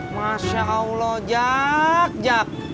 masya allah jak jak